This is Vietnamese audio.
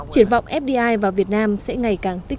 triển vọng fdi vào việt nam sẽ ngày càng tích cực